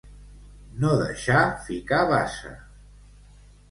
No deixar ficar basa.